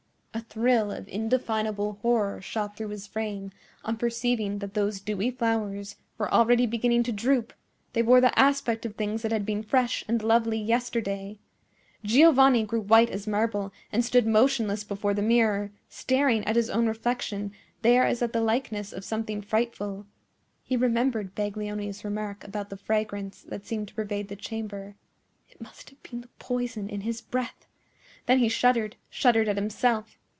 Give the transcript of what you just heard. A thrill of indefinable horror shot through his frame on perceiving that those dewy flowers were already beginning to droop; they wore the aspect of things that had been fresh and lovely yesterday. Giovanni grew white as marble, and stood motionless before the mirror, staring at his own reflection there as at the likeness of something frightful. He remembered Baglioni's remark about the fragrance that seemed to pervade the chamber. It must have been the poison in his breath! Then he shuddered—shuddered at himself.